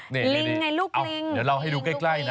ในลิ้งไงลูกลิ้งอ่าเดี๋ยวลองให้ดูใกล้นะ